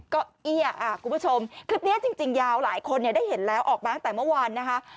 ก็เอี้ยคุณผู้ชมคลิปนี้จริงยาวหลายคนได้เห็นแล้วออกมาตั้งแต่เมื่อวานนะคะ